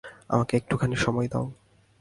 আমাকে একটুখানি সময় দাও।